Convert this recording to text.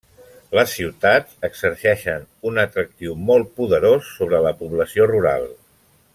Les ciutats exerceixen un atractiu molt poderós sobre la població rural.